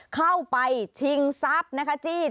เข้าไปชิงศัพท์จี้ชิงศัพท์